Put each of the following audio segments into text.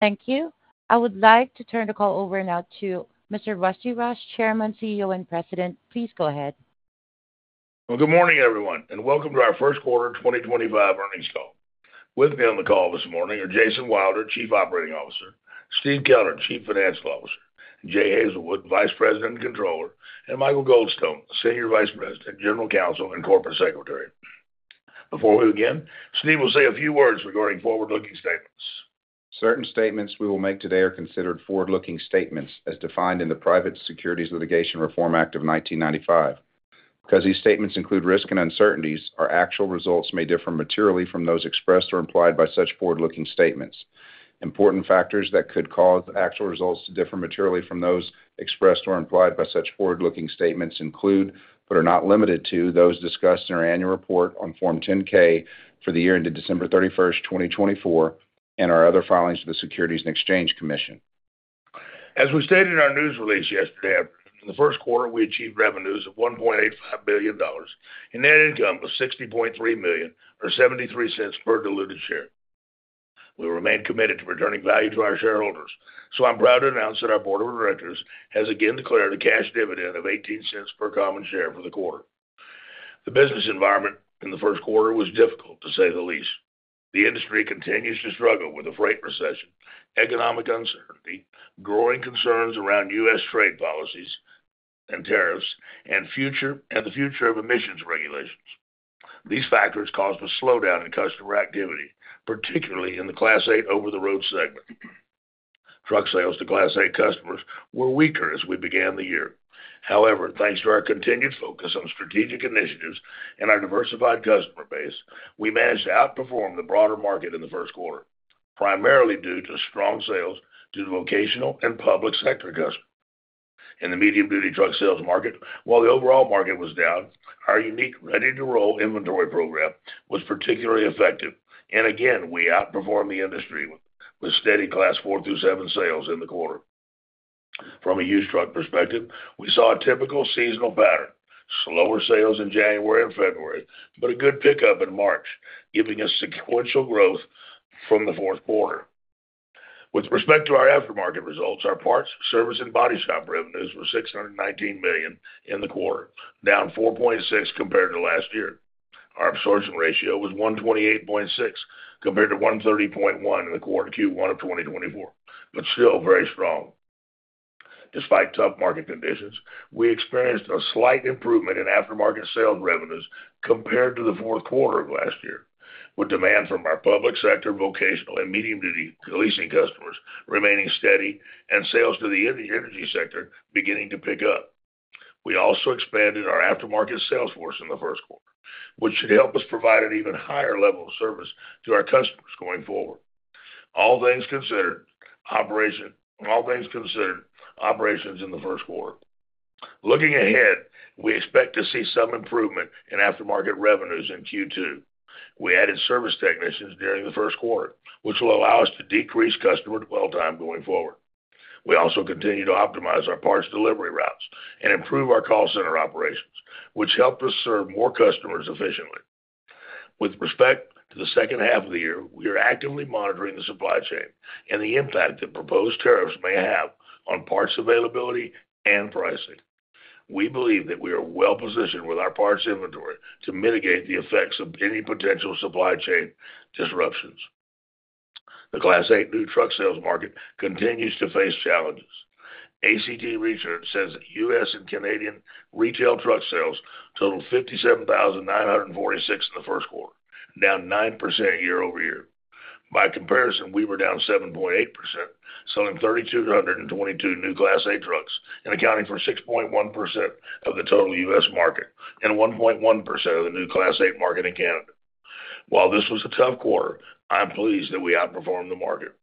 Thank you. I would like to turn the call over now to Mr. Rusty Rush, Chairman, CEO, and President. Please go ahead. Good morning, everyone, and welcome to our first quarter 2025 earnings call. With me on the call this morning are Jason Wilder, Chief Operating Officer; Steve Keller, Chief Financial Officer; Jay Hazelwood, Vice President and Controller; and Michael Goldstone, Senior Vice President, General Counsel, and Corporate Secretary. Before we begin, Steve will say a few words regarding forward-looking statements. Certain statements we will make today are considered forward-looking statements, as defined in the Private Securities Litigation Reform Act of 1995. Because these statements include risk and uncertainties, our actual results may differ materially from those expressed or implied by such forward-looking statements. Important factors that could cause actual results to differ materially from those expressed or implied by such forward-looking statements include, but are not limited to, those discussed in our annual report on Form 10-K for the year ended December 31, 2024, and our other filings to the Securities and Exchange Commission. As we stated in our news release yesterday afternoon, in the first quarter, we achieved revenues of $1.85 billion, and net income of $60.3 million, or $0.73 per diluted share. We remain committed to returning value to our shareholders, so I'm proud to announce that our Board of Directors has again declared a cash dividend of $0.18 per common share for the quarter. The business environment in the first quarter was difficult, to say the least. The industry continues to struggle with a freight recession, economic uncertainty, growing concerns around US trade policies and tariffs, and the future of emissions regulations. These factors caused a slowdown in customer activity, particularly in the Class 8 over-the-road segment. Truck sales to Class 8 customers were weaker as we began the year. However, thanks to our continued focus on strategic initiatives and our diversified customer base, we managed to outperform the broader market in the first quarter, primarily due to strong sales to the vocational and public sector customers. In the medium-duty truck sales market, while the overall market was down, our unique Ready-to-Roll inventory program was particularly effective, and again, we outperformed the industry with steady Class 4 through 7 sales in the quarter. From a used truck perspective, we saw a typical seasonal pattern: slower sales in January and February, but a good pickup in March, giving us sequential growth from the fourth quarter. With respect to our aftermarket results, our parts, service, and body shop revenues were $619 million in the quarter, down 4.6% compared to last year. Our absorption ratio was 128.6% compared to 130.1% in the quarter Q1 of 2024, but still very strong. Despite tough market conditions, we experienced a slight improvement in aftermarket sales revenues compared to the fourth quarter of last year, with demand from our public sector, vocational, and medium-duty leasing customers remaining steady, and sales to the energy sector beginning to pick up. We also expanded our aftermarket sales force in the first quarter, which should help us provide an even higher level of service to our customers going forward. All things considered, operations in the first quarter. Looking ahead, we expect to see some improvement in aftermarket revenues in Q2. We added service technicians during the first quarter, which will allow us to decrease customer dwell time going forward. We also continue to optimize our parts delivery routes and improve our call center operations, which help us serve more customers efficiently. With respect to the second half of the year, we are actively monitoring the supply chain and the impact that proposed tariffs may have on parts availability and pricing. We believe that we are well-positioned with our parts inventory to mitigate the effects of any potential supply chain disruptions. The Class 8 new truck sales market continues to face challenges. ACT Research says that U.S. and Canadian retail truck sales totaled $57,946 in the first quarter, down 9% year over year. By comparison, we were down 7.8%, selling 3,222 new Class 8 trucks and accounting for 6.1% of the total U.S. market and 1.1% of the new Class 8 market in Canada. While this was a tough quarter, I'm pleased that we outperformed the market.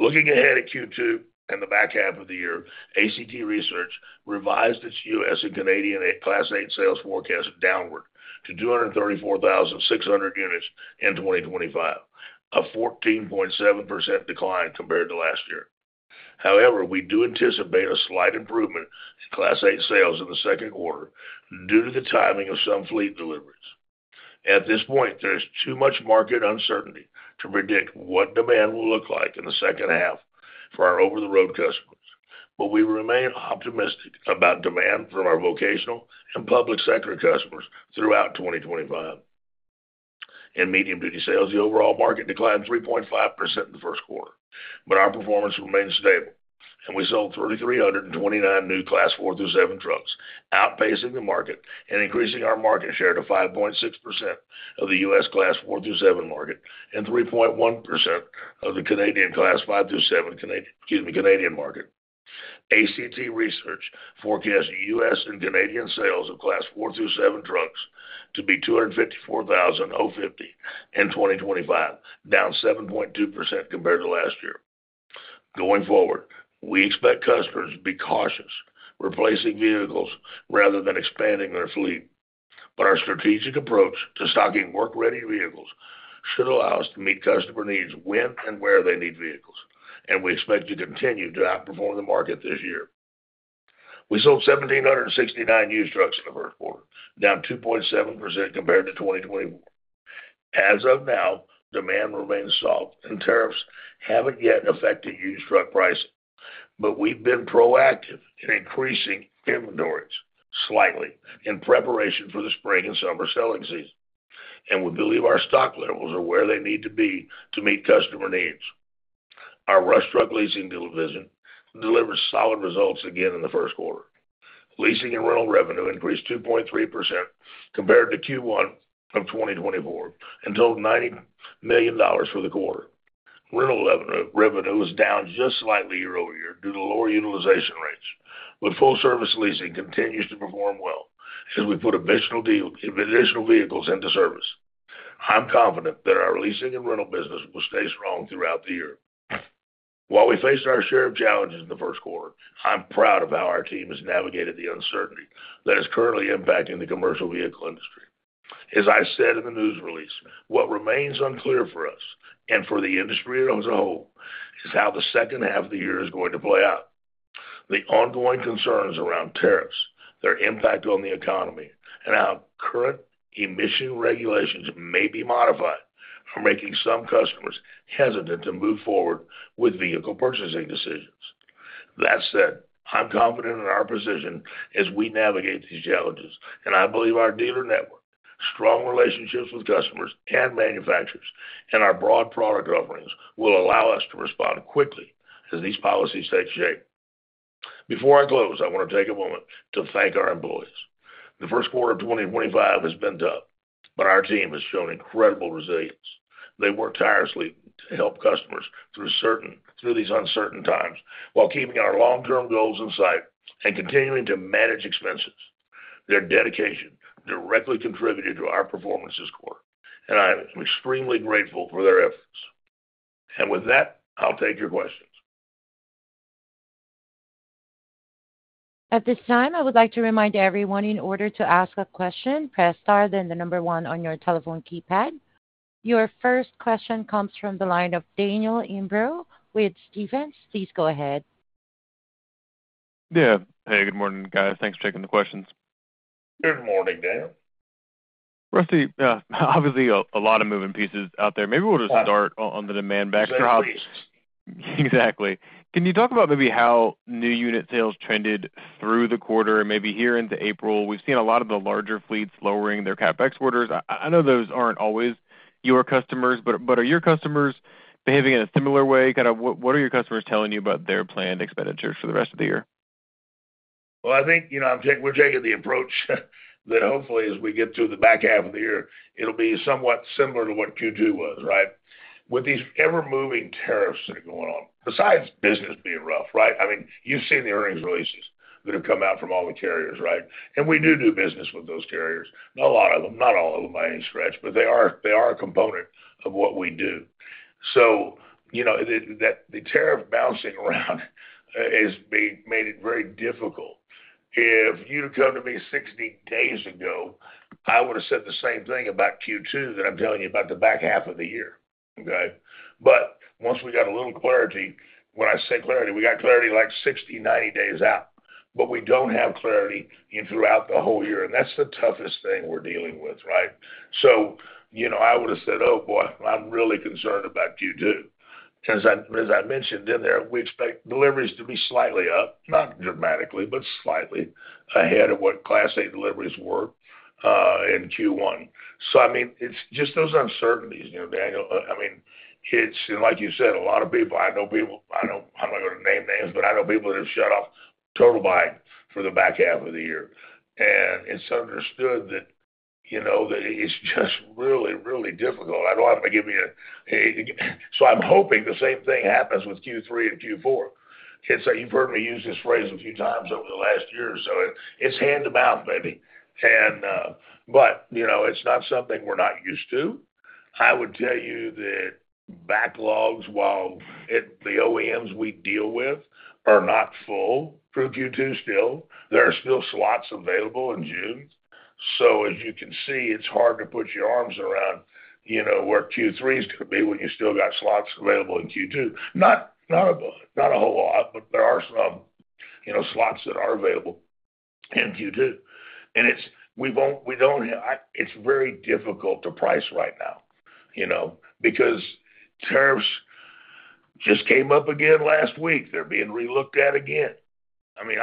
Looking ahead at Q2 and the back half of the year, ACT Research revised its U.S. and Canadian Class 8 sales forecast downward to 234,600 units in 2025, a 14.7% decline compared to last year. However, we do anticipate a slight improvement in Class 8 sales in the second quarter due to the timing of some fleet deliveries. At this point, there is too much market uncertainty to predict what demand will look like in the second half for our over-the-road customers, but we remain optimistic about demand from our vocational and public sector customers throughout 2025. In medium-duty sales, the overall market declined 3.5% in the first quarter, but our performance remained stable, and we sold 3,329 new Class 4 through 7 trucks, outpacing the market and increasing our market share to 5.6% of the U.S. Class 4 through 7 market and 3.1% of the Canadian Class 5 through 7 market. ACT Research forecasts U.S. and Canadian sales of Class 4 through 7 trucks to be 254,050 in 2025, down 7.2% compared to last year. Going forward, we expect customers to be cautious replacing vehicles rather than expanding their fleet, but our strategic approach to stocking work-ready vehicles should allow us to meet customer needs when and where they need vehicles, and we expect to continue to outperform the market this year. We sold 1,769 used trucks in the first quarter, down 2.7% compared to 2024. As of now, demand remains soft, and tariffs have not yet affected used truck pricing, but we have been proactive in increasing inventories slightly in preparation for the spring and summer selling season, and we believe our stock levels are where they need to be to meet customer needs. Our Rush Truck Leasing Division delivered solid results again in the first quarter. Leasing and rental revenue increased 2.3% compared to Q1 of 2024 and totaled $90 million for the quarter. Rental revenue is down just slightly year over year due to lower utilization rates, but full-service leasing continues to perform well as we put additional vehicles into service. I'm confident that our leasing and rental business will stay strong throughout the year. While we faced our share of challenges in the first quarter, I'm proud of how our team has navigated the uncertainty that is currently impacting the commercial vehicle industry. As I said in the news release, what remains unclear for us and for the industry as a whole is how the second half of the year is going to play out. The ongoing concerns around tariffs, their impact on the economy, and how current emission regulations may be modified are making some customers hesitant to move forward with vehicle purchasing decisions. That said, I'm confident in our position as we navigate these challenges, and I believe our dealer network, strong relationships with customers and manufacturers, and our broad product offerings will allow us to respond quickly as these policies take shape. Before I close, I want to take a moment to thank our employees. The first quarter of 2025 has been tough, but our team has shown incredible resilience. They work tirelessly to help customers through these uncertain times while keeping our long-term goals in sight and continuing to manage expenses. Their dedication directly contributed to our performance this quarter, and I am extremely grateful for their efforts. I'll take your questions. At this time, I would like to remind everyone, in order to ask a question, press star, then the number one on your telephone keypad. Your first question comes from the line of Daniel Imbro with Stephens, please go ahead. Yeah. Hey, good morning, guys. Thanks for taking the questions. Good morning, Daniel. Rusty, obviously, a lot of moving pieces out there. Maybe we'll just start on the demand back. Exactly, please. Exactly. Can you talk about maybe how new unit sales trended through the quarter, maybe here into April? We've seen a lot of the larger fleets lowering their CapEx orders. I know those aren't always your customers, but are your customers behaving in a similar way? Kind of what are your customers telling you about their planned expenditures for the rest of the year? I think we're taking the approach that hopefully, as we get through the back half of the year, it'll be somewhat similar to what Q2 was, right? With these ever-moving tariffs that are going on, besides business being rough, right? I mean, you've seen the earnings releases that have come out from all the carriers, right? And we do do business with those carriers. Not a lot of them, not all of them by any stretch, but they are a component of what we do. The tariff bouncing around has made it very difficult. If you'd have come to me 60 days ago, I would have said the same thing about Q2 that I'm telling you about the back half of the year, okay? Once we got a little clarity, when I say clarity, we got clarity like 60-90 days out, but we do not have clarity throughout the whole year, and that is the toughest thing we are dealing with, right? I would have said, "Oh, boy, I am really concerned about Q2." As I mentioned in there, we expect deliveries to be slightly up, not dramatically, but slightly ahead of what Class 8 deliveries were in Q1. I mean, it is just those uncertainties, Daniel. I mean, like you said, a lot of people, I know people, I am not going to name names, but I know people that have shut off total buying for the back half of the year. It is understood that it is just really, really difficult. I do not have to give you a—so I am hoping the same thing happens with Q3 and Q4. You've heard me use this phrase a few times over the last year or so. It's hand-to-mouth, baby. It is not something we're not used to. I would tell you that backlogs, while the OEMs we deal with are not full through Q2 still, there are still slots available in June. As you can see, it's hard to put your arms around where Q3 is going to be when you still got slots available in Q2. Not a whole lot, but there are some slots that are available in Q2. It is very difficult to price right now because tariffs just came up again last week. They're being relooked at again. I mean,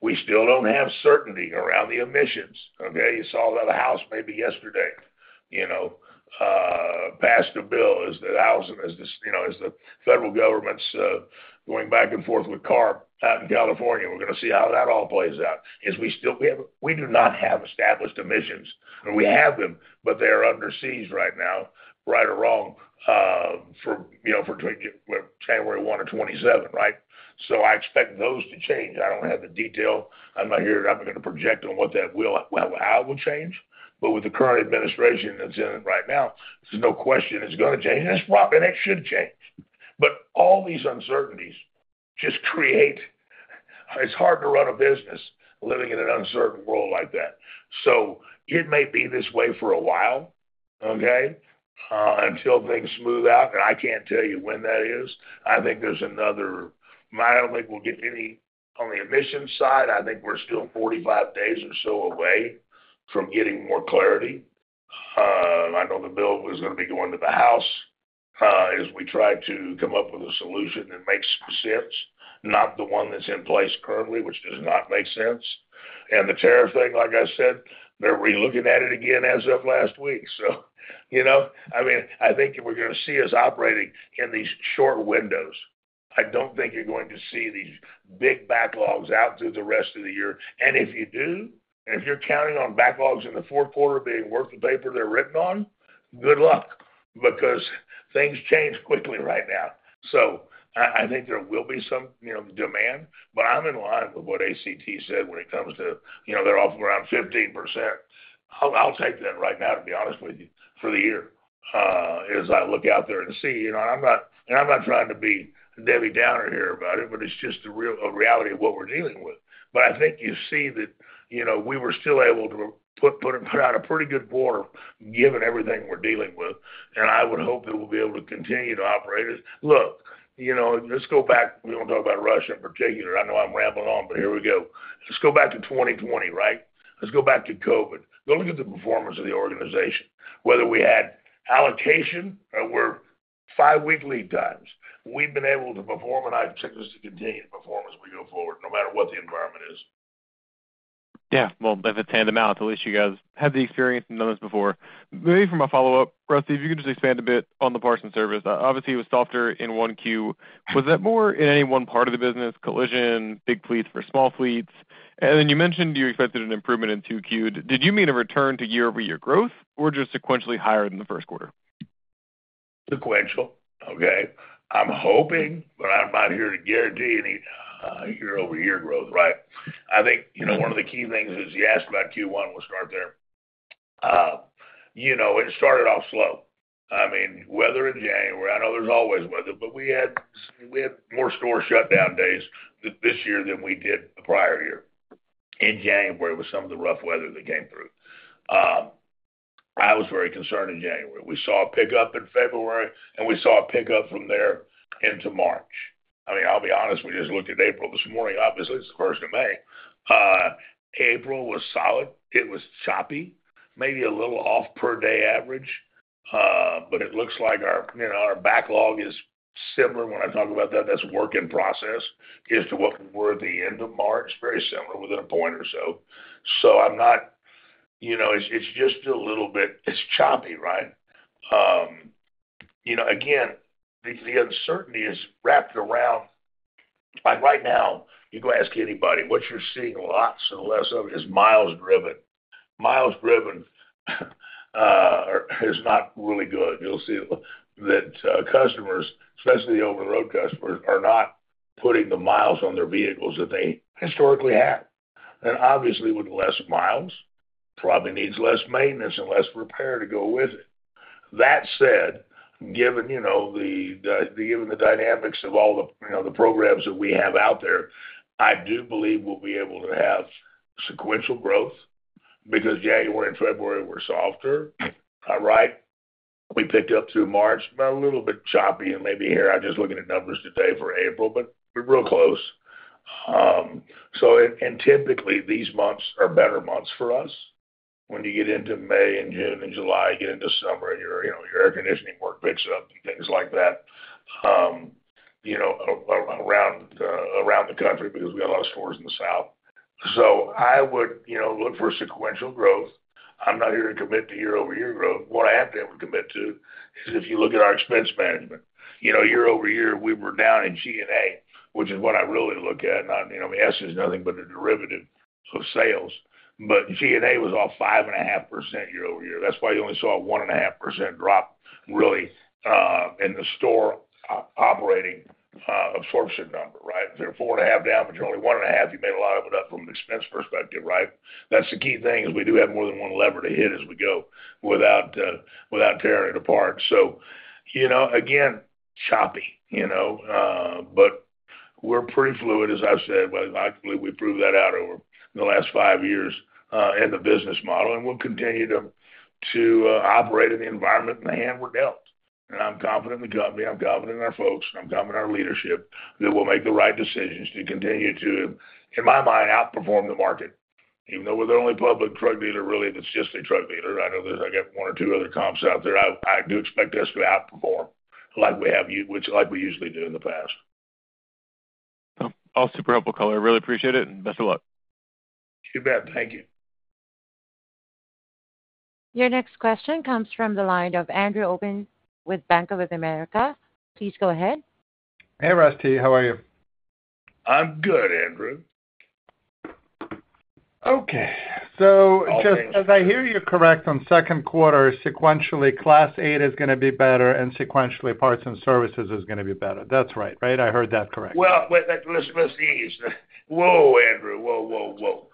we still don't have certainty around the emissions, okay? You saw that House maybe yesterday passed a bill, is that housing is the federal government's going back and forth with CARB out in California. We're going to see how that all plays out. We do not have established emissions. We have them, but they're under siege right now, right or wrong, for January 1 or 2027, right? I expect those to change. I don't have the detail. I'm not here to project on what that will—well, how it will change, but with the current administration that's in it right now, there's no question it's going to change, and it should change. All these uncertainties just create—it's hard to run a business living in an uncertain world like that. It may be this way for a while, okay, until things smooth out, and I can't tell you when that is. I think there's another—I don't think we'll get any on the emissions side. I think we're still 45 days or so away from getting more clarity. I know the bill was going to be going to the House as we try to come up with a solution that makes sense, not the one that's in place currently, which does not make sense. The tariff thing, like I said, they're relooking at it again as of last week. I think if we're going to see us operating in these short windows, I don't think you're going to see these big backlogs out through the rest of the year. If you do, and if you're counting on backlogs in the fourth quarter being worth the paper they're written on, good luck because things change quickly right now. I think there will be some demand, but I'm in line with what ACT said when it comes to they're off around 15%. I'll take that right now, to be honest with you, for the year as I look out there and see. I'm not trying to be Debbie Downer here about it, but it's just the reality of what we're dealing with. I think you see that we were still able to put out a pretty good quarter given everything we're dealing with, and I would hope that we'll be able to continue to operate. Look, let's go back. We won't talk about Russia in particular. I know I'm rambling on, but here we go. Let's go back to 2020, right? Let's go back to COVID. Go look at the performance of the organization. Whether we had allocation or we're five-week lead times, we've been able to perform, and I expect us to continue to perform as we go forward, no matter what the environment is. Yeah. If it's hand-to-mouth, at least you guys have the experience and done this before. Maybe for my follow-up, Rusty, if you could just expand a bit on the parts and service. Obviously, it was softer in 1Q. Was that more in any one part of the business, collision, big fleets versus small fleets? You mentioned you expected an improvement in 2Q. Did you mean a return to year-over-year growth or just sequentially higher than the Q1? Sequential, okay? I'm hoping, but I'm not here to guarantee any year-over-year growth, right? I think one of the key things is you asked about Q1, we'll start there. It started off slow. I mean, weather in January, I know there's always weather, but we had more store shutdown days this year than we did the prior year. In January, with some of the rough weather that came through, I was very concerned in January. We saw a pickup in February, and we saw a pickup from there into March. I mean, I'll be honest, we just looked at April this morning. Obviously, it's the first of May. April was solid. It was choppy, maybe a little off per day average, but it looks like our backlog is similar. When I talk about that, that's work in process as to what we were at the end of March, very similar within a point or so. I'm not—it's just a little bit—it's choppy, right? Again, the uncertainty is wrapped around. Right now, you go ask anybody, what you're seeing lots and less of is miles driven. Miles driven is not really good. You'll see that customers, especially the over-the-road customers, are not putting the miles on their vehicles that they historically had. Obviously, with less miles, probably needs less maintenance and less repair to go with it. That said, given the dynamics of all the programs that we have out there, I do believe we'll be able to have sequential growth because January and February were softer, right? We picked up through March, a little bit choppy, and maybe here I am just looking at numbers today for April, but we are real close. Typically, these months are better months for us. When you get into May and June and July and get into summer and your air conditioning work picks up and things like that around the country because we have a lot of stores in the south. I would look for sequential growth. I am not here to commit to year-over-year growth. What I have to be able to commit to is if you look at our expense management. Year-over-year, we were down in G&A, which is what I really look at. ESS is nothing but a derivative of sales. G&A was off 5.5% year-over-year. That is why you only saw a 1.5% drop really in the store operating absorption number, right? If you're at 4.5 down, but you're only 1.5, you made a lot of it up from an expense perspective, right? That's the key thing is we do have more than one lever to hit as we go without tearing it apart. Again, choppy, but we're pretty fluid, as I've said. I believe we've proved that out over the last five years in the business model, and we'll continue to operate in the environment in the hand we're dealt. I'm confident in the company. I'm confident in our folks. I'm confident in our leadership that we'll make the right decisions to continue to, in my mind, outperform the market. Even though we're the only public truck dealer, really, that's just a truck dealer, I know I got one or two other comps out there. I do expect us to outperform like we usually do in the past. All super helpful, Keller. I really appreciate it, and best of luck. You bet. Thank you. Your next question comes from the line of Andrew Obin with Bank of America. Please go ahead. Hey, Rusty. How are you? I'm good, Andrew. Okay. As I hear you correct on second quarter, sequentially Class 8 is going to be better, and sequentially parts and services is going to be better. That's right, right? I heard that correct. Let's see. Whoa, Andrew. Whoa, whoa, whoa.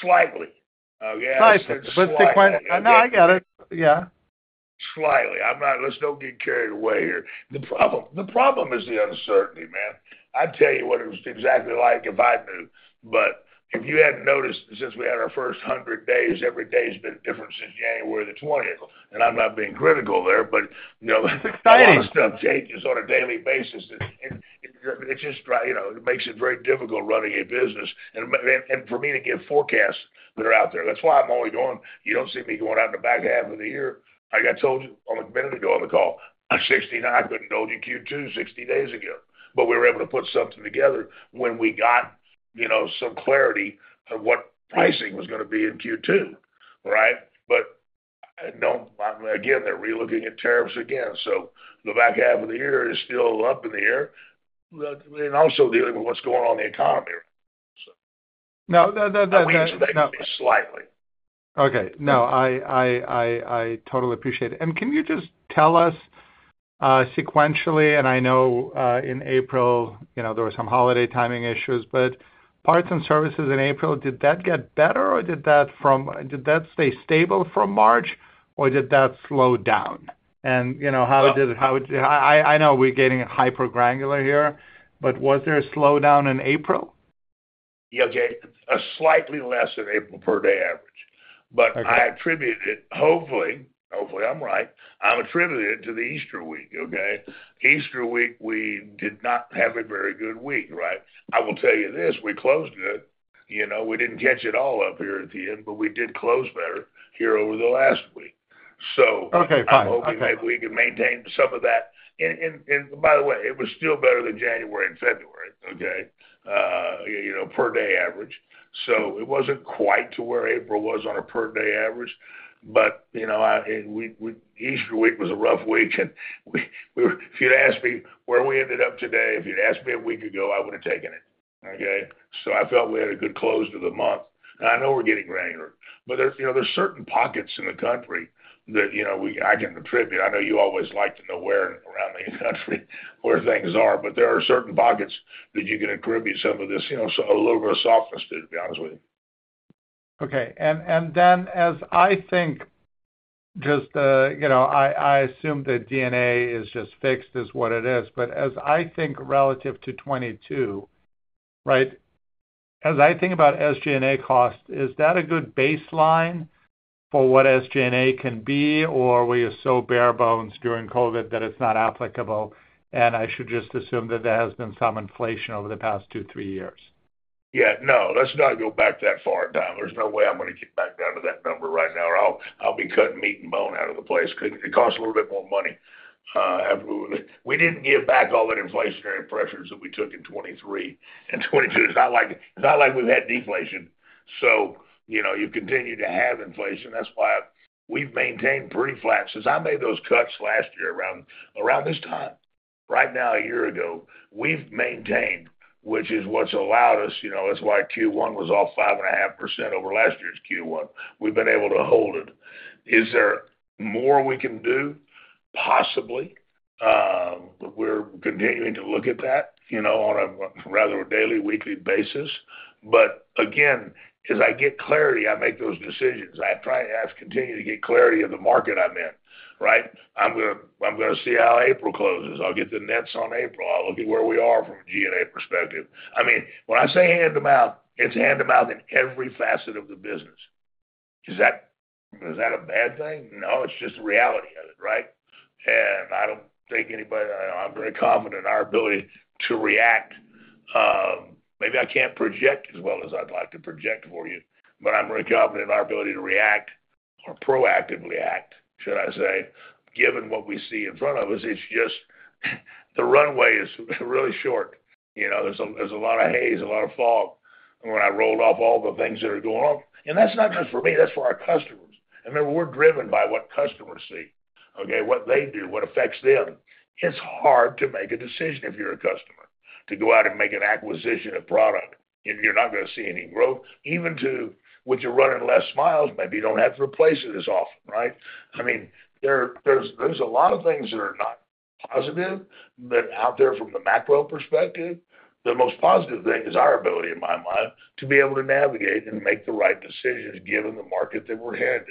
Slightly. Slightly. No, I get it. Yeah. Slightly. Let's don't get carried away here. The problem is the uncertainty, man. I'd tell you what it was exactly like if I knew. But if you hadn't noticed since we had our first 100 days, every day has been different since January the 20th. I'm not being critical there, but a lot of stuff changes on a daily basis. It just makes it very difficult running a business and for me to give forecasts that are out there. That's why I'm only going—you don't see me going out in the back half of the year. I told you on the committee on the call, I couldn't hold you Q2 60 days ago, but we were able to put something together when we got some clarity of what pricing was going to be in Q2, right? Again, they're relooking at tariffs again. The back half of the year is still up in the air. Also dealing with what's going on in the economy. No, that's not. Slightly. Okay. No, I totally appreciate it. Can you just tell us sequentially? I know in April, there were some holiday timing issues, but parts and services in April, did that get better or did that stay stable from March or did that slow down? How did it—I know we're getting hypergranular here, but was there a slowdown in April? Yeah, Jay. Slightly less than April per day average. I attribute it, hopefully—hopefully I'm right. I'm attributing it to the Easter week, okay? Easter week, we did not have a very good week, right? I will tell you this. We closed good. We did not catch it all up here at the end, but we did close better here over the last week. I am hoping that we can maintain some of that. By the way, it was still better than January and February, okay, per day average. It was not quite to where April was on a per day average, but Easter week was a rough week. If you had asked me where we ended up today, if you had asked me a week ago, I would have taken it, okay? I felt we had a good close to the month. I know we're getting granular, but there's certain pockets in the country that I can attribute. I know you always like to know where around the country where things are, but there are certain pockets that you can attribute some of this, a little bit of softness to, to be honest with you. Okay. As I think, just I assume that G&A is just fixed as what it is, but as I think relative to 2022, as I think about SG&A cost, is that a good baseline for what SG&A can be, or were you so bare bones during COVID that it's not applicable? I should just assume that there has been some inflation over the past two, three years. Yeah. No, let's not go back that far down. There's no way I'm going to get back down to that number right now, or I'll be cutting meat and bone out of the place because it costs a little bit more money. We didn't give back all that inflationary pressures that we took in 2023 and 2022, it's not like we've had deflation. You continue to have inflation. That's why we've maintained pretty flat since I made those cuts last year around this time. Right now, a year ago, we've maintained, which is what's allowed us—that's why Q1 was off 5.5% over last year's Q1. We've been able to hold it. Is there more we can do? Possibly. We're continuing to look at that on a rather daily, weekly basis. As I get clarity, I make those decisions. I continue to get clarity of the market I'm in, right? I'm going to see how April closes. I'll get the nets on April. I'll look at where we are from a G&A perspective. I mean, when I say hand-to-mouth, it's hand-to-mouth in every facet of the business. Is that a bad thing? No, it's just the reality of it, right? I don't think anybody—I'm very confident in our ability to react. Maybe I can't project as well as I'd like to project for you, but I'm very confident in our ability to react or proactively act, should I say, given what we see in front of us. It's just the runway is really short. There's a lot of haze, a lot of fog when I rolled off all the things that are going on. That is not just for me. That is for our customers. We're driven by what customers see, okay? What they do, what affects them. It's hard to make a decision if you're a customer to go out and make an acquisition of product. You're not going to see any growth, even to which you're running less miles. Maybe you don't have to replace it as often, right? I mean, there's a lot of things that are not positive out there from the macro perspective. The most positive thing is our ability, in my mind, to be able to navigate and make the right decisions given the market that we're headed.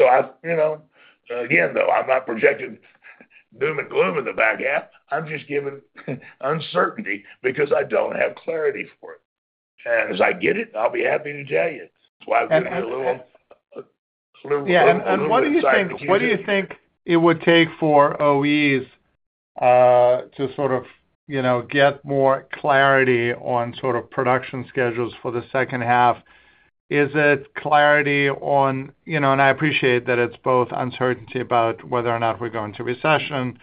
Again, though, I'm not projecting doom and gloom in the back half. I'm just giving uncertainty because I don't have clarity for it. As I get it, I'll be happy to tell you. That's why I'm giving you a little. Yeah. What do you think it would take for OEs to sort of get more clarity on sort of production schedules for the second half? Is it clarity on—I appreciate that it's both uncertainty about whether or not we're going to recession,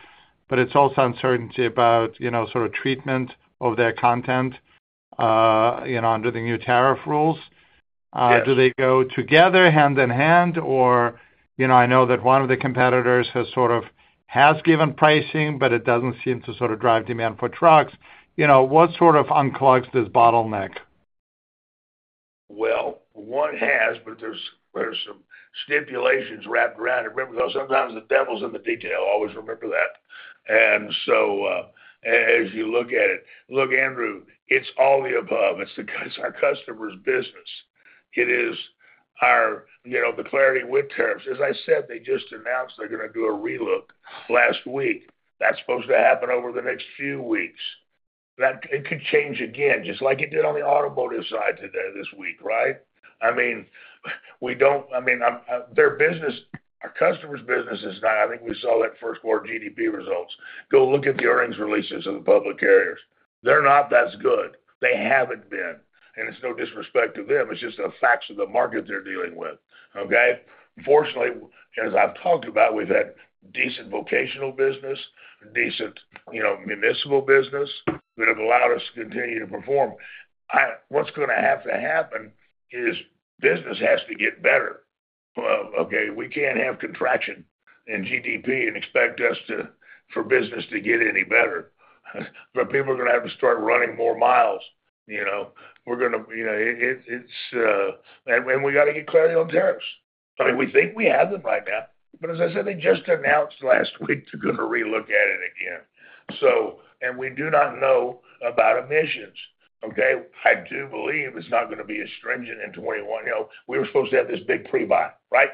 but it's also uncertainty about sort of treatment of their content under the new tariff rules. Do they go together, hand in hand, or I know that one of the competitors has sort of given pricing, but it doesn't seem to sort of drive demand for trucks. What sort of unclogs this bottleneck? One has, but there are some stipulations wrapped around it. Remember, sometimes the devil is in the detail. Always remember that. As you look at it, look, Andrew, it is all the above. It is our customer's business. It is the clarity with tariffs. As I said, they just announced they are going to do a relook last week. That is supposed to happen over the next few weeks. It could change again, just like it did on the automotive side this week, right? I mean, we do not—I mean, their business, our customer's business is not—I think we saw that first quarter GDP results. Go look at the earnings releases of the public carriers. They are not that good. They have not been. It is no disrespect to them. It is just the facts of the market they are dealing with, okay? Fortunately, as I've talked about, we've had decent vocational business, decent municipal business that have allowed us to continue to perform. What's going to have to happen is business has to get better. Okay? We can't have contraction in GDP and expect us for business to get any better. People are going to have to start running more miles. We're going to, and we got to get clarity on tariffs. I mean, we think we have them right now, but as I said, they just announced last week they're going to relook at it again. We do not know about emissions, okay? I do believe it's not going to be as stringent in 2021. We were supposed to have this big prebuy, right?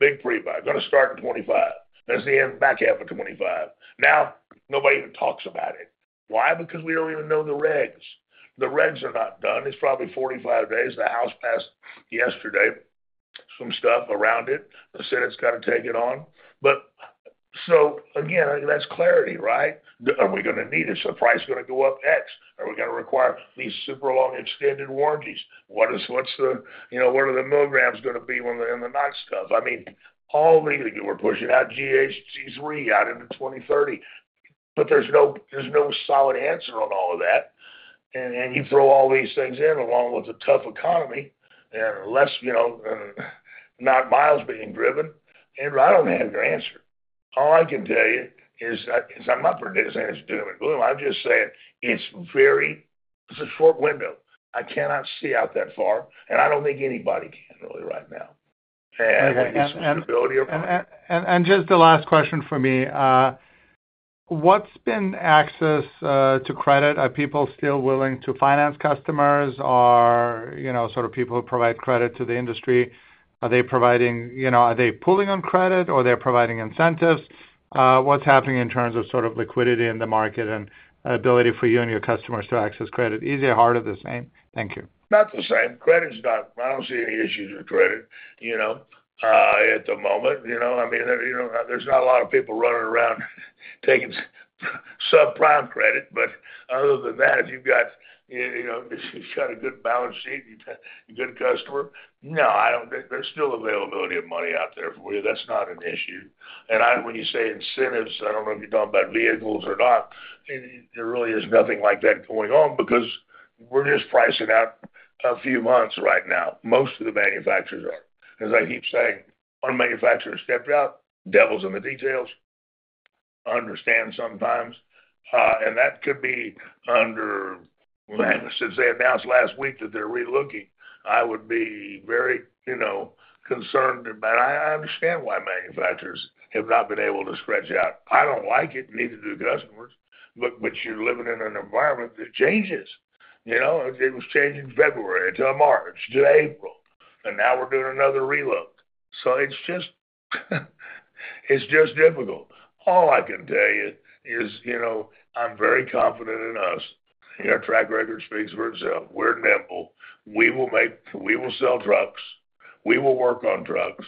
Big prebuy. Going to start in 2025. That's the back half of 2025. Now, nobody even talks about it. Why? Because we don't even know the regs. The regs are not done. It's probably 45 days. The House passed yesterday some stuff around it. The Senate's got to take it on. Again, that's clarity, right? Are we going to need it? So price is going to go up X. Are we going to require these super long extended warranties? What's the—what are the milligrams going to be in the night stuff? I mean, all we were pushing out GHG3 out into 2030, but there's no solid answer on all of that. You throw all these things in along with a tough economy and not miles being driven. Andrew, I don't have your answer. All I can tell you is I'm not saying it's doom and gloom. I'm just saying it's a short window. I cannot see out that far. I don't think anybody can really right now. I guess the ability of— Just the last question for me. What's been access to credit? Are people still willing to finance customers or sort of people who provide credit to the industry? Are they providing, are they pulling on credit or they're providing incentives? What's happening in terms of sort of liquidity in the market and ability for you and your customers to access credit? Easy or hard at the same? Thank you. About the same. Credit's not—I don't see any issues with credit at the moment. I mean, there's not a lot of people running around taking subprime credit, but other than that, if you've got—if you've got a good balance sheet, you've got a good customer, no, I don't think there's still availability of money out there for you. That's not an issue. When you say incentives, I don't know if you're talking about vehicles or not. There really is nothing like that going on because we're just pricing out a few months right now. Most of the manufacturers are. As I keep saying, one manufacturer stepped out, devil's in the details. I understand sometimes. That could be under—since they announced last week that they're relooking, I would be very concerned about—I understand why manufacturers have not been able to stretch out. I don't like it, neither do customers, but you're living in an environment that changes. It was changing February until March to April, and now we're doing another relook. It's just difficult. All I can tell you is I'm very confident in us. Our track record speaks for itself. We're nimble. We will sell trucks. We will work on trucks,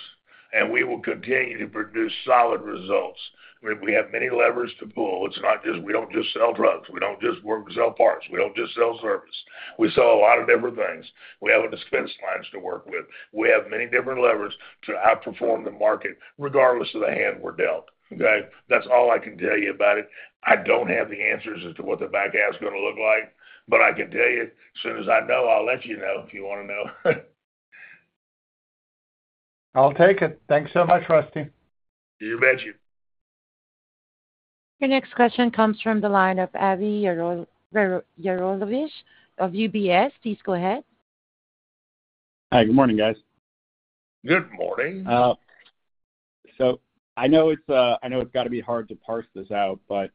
and we will continue to produce solid results. We have many levers to pull. We don't just sell trucks. We don't just work and sell parts. We don't just sell service. We sell a lot of different things. We have dispense lines to work with. We have many different levers to outperform the market regardless of the hand we're dealt, okay? That's all I can tell you about it. I don't have the answers as to what the back half is going to look like, but I can tell you as soon as I know, I'll let you know if you want to know. I'll take it. Thanks so much, Rusty. You bet you. Your next question comes from the line of Avi Jaroslawicz of UBS. Please go ahead. Hi. Good morning, guys. Good morning. I know it's got to be hard to parse this out, but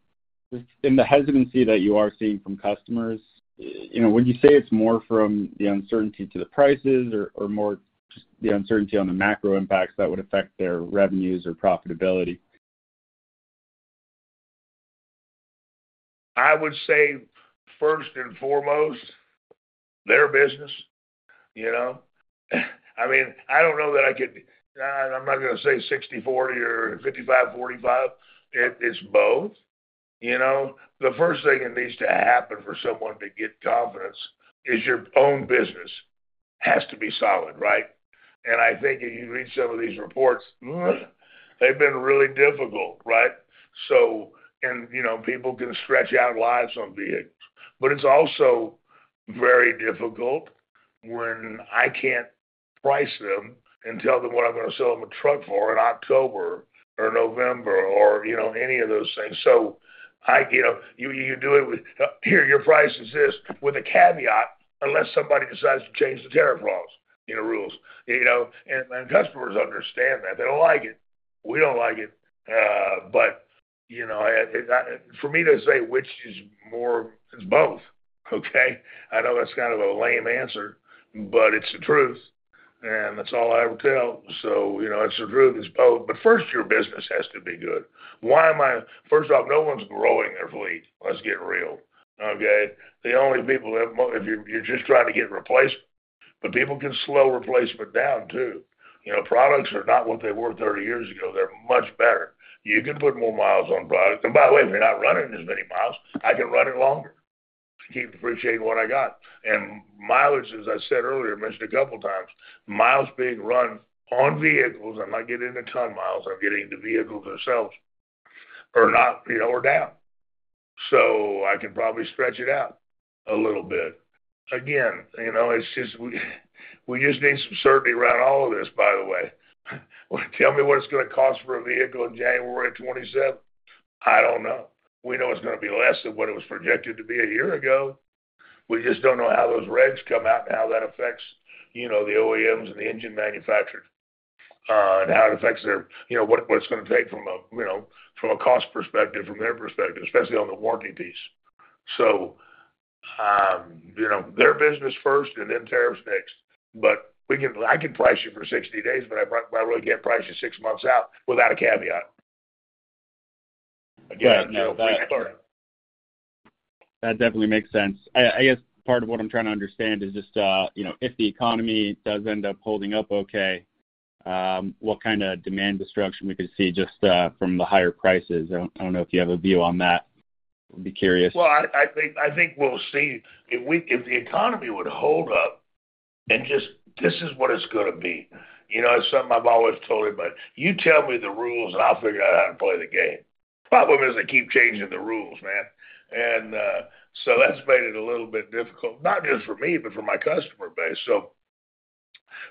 in the hesitancy that you are seeing from customers, would you say it's more from the uncertainty to the prices or more just the uncertainty on the macro impacts that would affect their revenues or profitability? I would say first and foremost, their business. I mean, I don't know that I could—I'm not going to say 60/40 or 55/45. It's both. The first thing that needs to happen for someone to get confidence is your own business has to be solid, right? I think if you read some of these reports, they've been really difficult, right? People can stretch out lives on vehicles. It's also very difficult when I can't price them and tell them what I'm going to sell them a truck for in October or November or any of those things. You can do it with your price is this with a caveat unless somebody decides to change the tariff laws and the rules. Customers understand that. They don't like it. We don't like it. For me to say which is more, it's both, okay? I know that's kind of a lame answer, but it's the truth. And that's all I ever tell. So it's the truth. It's both. First, your business has to be good. Why am I—first off, no one's growing their fleet. Let's get real, okay? The only people that—if you're just trying to get replacement. People can slow replacement down too. Products are not what they were 30 years ago. They're much better. You can put more miles on product. By the way, if you're not running as many miles, I can run it longer and keep appreciating what I got. Mileage, as I said earlier, I mentioned a couple of times, miles being run on vehicles. I'm not getting into ton miles. I'm getting into vehicles themselves or down. I can probably stretch it out a little bit. Again, we just need some certainty around all of this, by the way. Tell me what it's going to cost for a vehicle in January of 2027. I don't know. We know it's going to be less than what it was projected to be a year ago. We just don't know how those regs come out and how that affects the OEMs and the engine manufacturers and how it affects their—what it's going to take from a cost perspective, from their perspective, especially on the warranty piece. Their business first and then tariffs next. I can price you for 60 days, but I really can't price you six months out without a caveat. Again, we're learning. That definitely makes sense. I guess part of what I'm trying to understand is just if the economy does end up holding up okay, what kind of demand destruction we could see just from the higher prices. I don't know if you have a view on that. I'd be curious. I think we'll see. If the economy would hold up and just this is what it's going to be. It's something I've always told everybody. You tell me the rules and I'll figure out how to play the game. The problem is they keep changing the rules, man. That has made it a little bit difficult, not just for me, but for my customer base.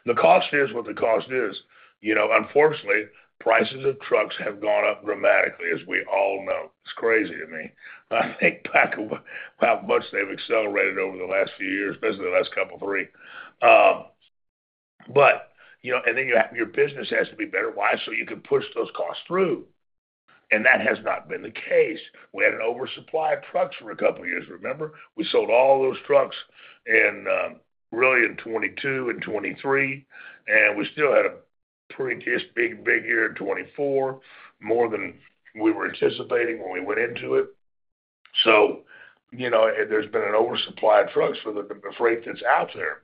The cost is what the cost is. Unfortunately, prices of trucks have gone up dramatically, as we all know. It's crazy to me. I think back of how much they've accelerated over the last few years, especially the last couple, three. Then your business has to be better. Why? So you can push those costs through. That has not been the case. We had an oversupply of trucks for a couple of years. Remember? We sold all those trucks really in 2022 and 2023. We still had a pretty big year in 2024, more than we were anticipating when we went into it. There has been an oversupply of trucks for the freight that's out there.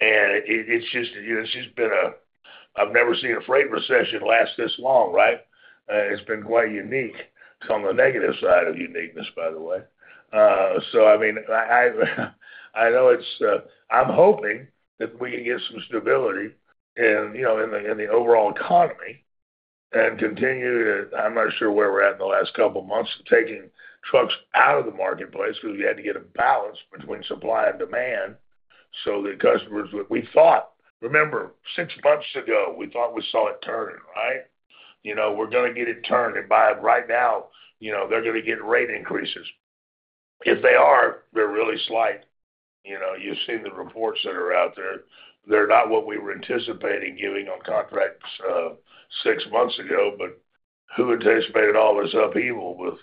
It has just been a—I have never seen a freight recession last this long, right? It has been quite unique. It is on the negative side of uniqueness, by the way. I mean, I know it is—I am hoping that we can get some stability in the overall economy and continue to—I am not sure where we are at in the last couple of months of taking trucks out of the marketplace because we had to get a balance between supply and demand so that customers would—we thought, remember, six months ago, we thought we saw it turning, right? We are going to get it turned. By right now, they're going to get rate increases. If they are, they're really slight. You've seen the reports that are out there. They're not what we were anticipating giving on contracts six months ago, but who anticipated all this upheaval with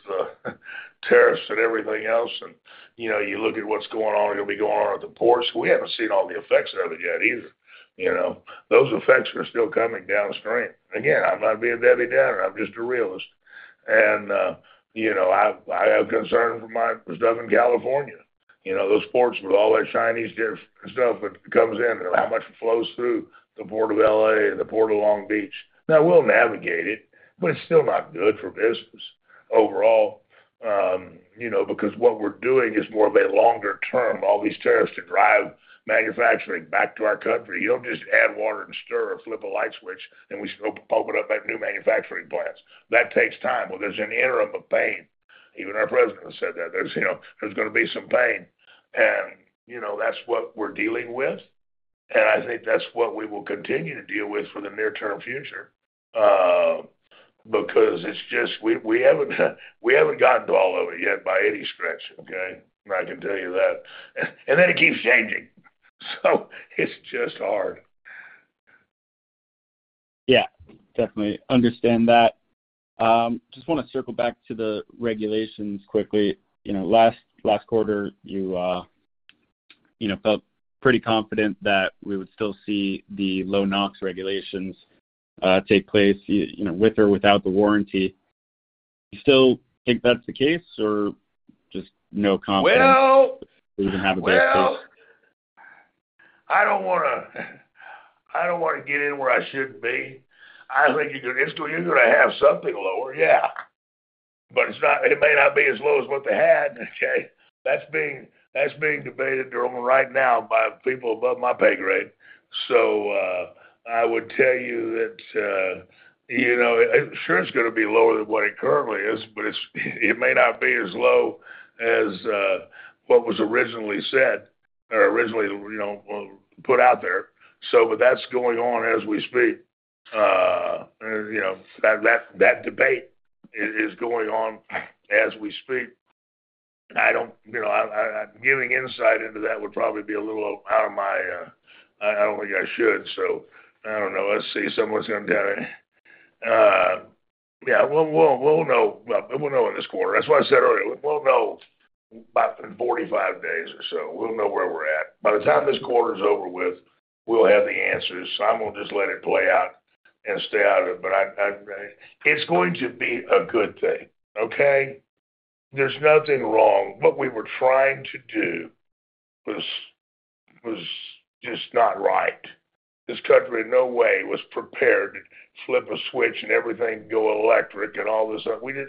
tariffs and everything else? You look at what's going on, it'll be going on at the ports. We haven't seen all the effects of it yet either. Those effects are still coming downstream. Again, I'm not being Debbie Downer. I'm just a realist. I have concerns for my stuff in California. Those ports with all that Chinese stuff that comes in and how much flows through the Port of LA and the Port of Long Beach. Now, we'll navigate it, but it's still not good for business overall because what we're doing is more of a longer term, all these tariffs to drive manufacturing back to our country. You don't just add water and stir a flip of light switch, and we can open up new manufacturing plants. That takes time. There is an interim of pain. Even our president has said that there's going to be some pain. That is what we're dealing with. I think that's what we will continue to deal with for the near-term future because we haven't gotten to all of it yet by any stretch, okay? I can tell you that. It keeps changing. It's just hard. Yeah. Definitely understand that. Just want to circle back to the regulations quickly. Last quarter, you felt pretty confident that we would still see the low NOx regulations take place with or without the warranty. You still think that's the case, or just no confidence that we're going to have a better place? I do not want to get in where I should not be. I think you are going to have something lower, yeah. It may not be as low as what they had, okay? That is being debated right now by people above my pay grade. I would tell you that sure it is going to be lower than what it currently is, but it may not be as low as what was originally said or originally put out there. That is going on as we speak. That debate is going on as we speak. I am giving insight into that would probably be a little out of my—I do not think I should. I do not know. Let us see. Someone is going to tell me. Yeah. We will know in this quarter. That is what I said earlier. We will know in 45 days or so. We will know where we are at. By the time this quarter is over with, we'll have the answers. I am going to just let it play out and stay out of it. It is going to be a good thing, okay? There is nothing wrong. What we were trying to do was just not right. This country in no way was prepared to flip a switch and everything go electric and all this stuff. We do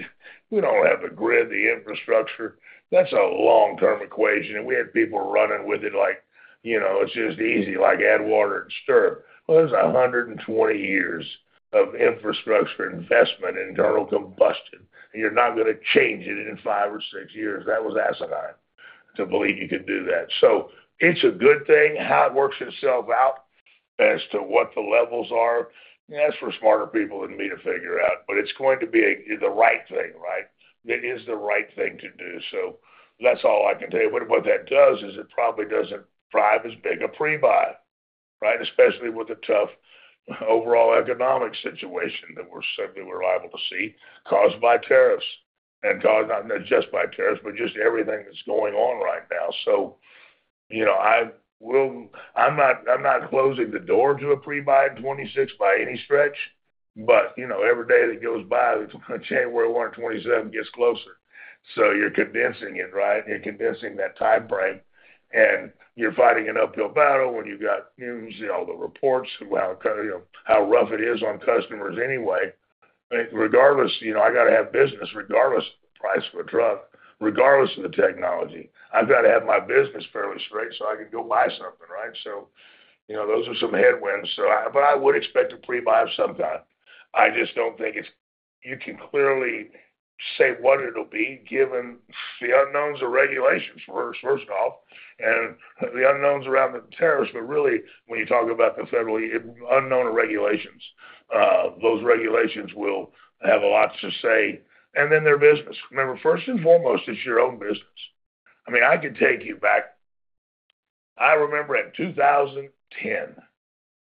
not have the grid, the infrastructure. That is a long-term equation. We had people running with it like it is just easy, like add water and stir. There are 120 years of infrastructure investment in internal combustion. You are not going to change it in five or six years. That was asinine to believe you could do that. It is a good thing. How it works itself out as to what the levels are, that is for smarter people than me to figure out. It is going to be the right thing, right? It is the right thing to do. That is all I can tell you. What that does is it probably does not drive as big a pre-buy, right? Especially with the tough overall economic situation that we are suddenly liable to see caused by tariffs and not just by tariffs, but just everything that is going on right now. I am not closing the door to a pre-buy in 2026 by any stretch, but every day that goes by, January 1, 2027 gets closer. You are condensing it, right? You are condensing that time frame. You are fighting an uphill battle when you have all the reports about how rough it is on customers anyway. Regardless, I have to have business regardless of the price of a truck, regardless of the technology. I've got to have my business fairly straight so I can go buy something, right? Those are some headwinds. I would expect a pre-buy of some kind. I just don't think it's—you can clearly say what it'll be given the unknowns of regulations, first off, and the unknowns around the tariffs. Really, when you talk about the federal unknown regulations, those regulations will have a lot to say. Their business. Remember, first and foremost, it's your own business. I mean, I could take you back. I remember in 2010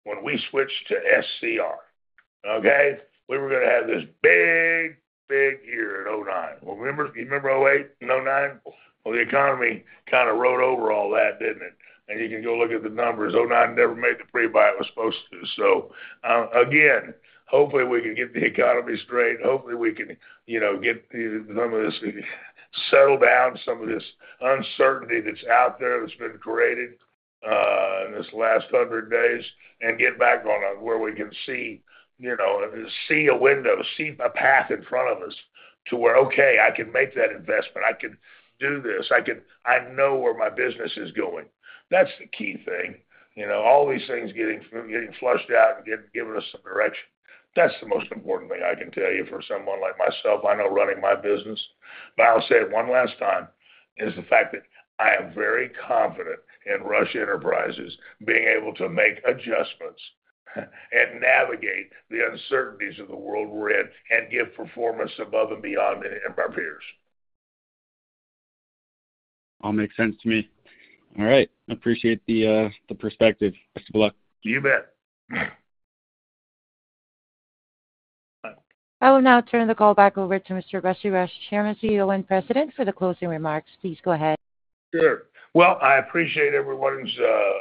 when we switched to SCR, okay? We were going to have this big, big year at 2009. Do you remember 2008 and 2009? The economy kind of rode over all that, didn't it? You can go look at the numbers. 2009 never made the pre-buy it was supposed to. Hopefully, we can get the economy straight. Hopefully, we can get some of this settled down, some of this uncertainty that's out there that's been created in this last 100 days and get back on where we can see a window, see a path in front of us to where, okay, I can make that investment. I can do this. I know where my business is going. That's the key thing. All these things getting flushed out and giving us some direction. That's the most important thing I can tell you for someone like myself. I know running my business. I'll say it one last time, the fact that I am very confident in Rush Enterprises being able to make adjustments and navigate the uncertainties of the world we're in and give performance above and beyond our peers. All makes sense to me. All right. Appreciate the perspective. Best of luck. You bet. I will now turn the call back over to Mr. Rusty Rush, Chairman, CEO and President, for the closing remarks. Please go ahead. Sure. I appreciate everyone's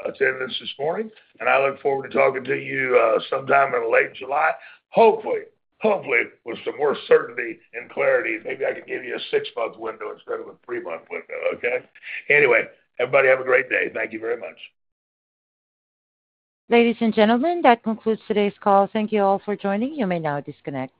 attendance this morning. I look forward to talking to you sometime in late July, hopefully, with some more certainty and clarity. Maybe I can give you a six-month window instead of a three-month window, okay? Anyway, everybody have a great day. Thank you very much. Ladies and gentlemen, that concludes today's call. Thank you all for joining. You may now disconnect.